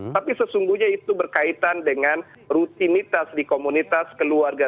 tapi sesungguhnya itu berkaitan dengan rutinitas di komunitas keluarga